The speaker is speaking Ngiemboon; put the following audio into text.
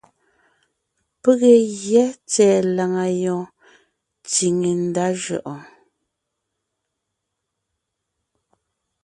Pege gyɛ́ tsɛ̀ɛ làŋa yɔɔn tsíŋe jʉʼɔɔn.